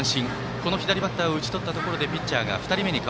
この左バッターを打ち取ってピッチャーは２人目。